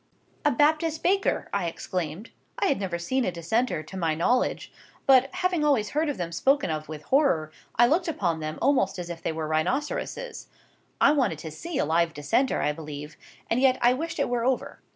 "A Baptist baker!" I exclaimed. I had never seen a Dissenter, to my knowledge; but, having always heard them spoken of with horror, I looked upon them almost as if they were rhinoceroses. I wanted to see a live Dissenter, I believe, and yet I wished it were over.